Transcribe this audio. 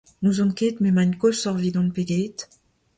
N'ouzon ket m'emaint koshoc'h evidon pe get.